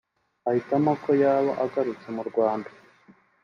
ahitamo ko yaba agarutse mu Rwanda